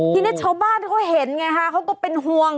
ทีนี้ชาวบ้านเขาเห็นไงฮะเขาก็เป็นห่วง